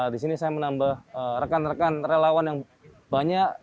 di sini saya menambah rekan rekan relawan yang banyak